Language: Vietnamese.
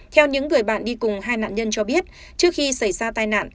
theo những người bạn đi cùng hai nạn nhân cho biết trước khi xảy ra tai nạn